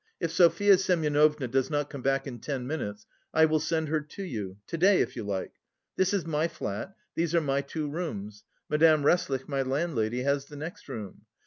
If Sofya Semyonovna does not come back in ten minutes, I will send her to you, to day if you like. This is my flat. These are my two rooms. Madame Resslich, my landlady, has the next room.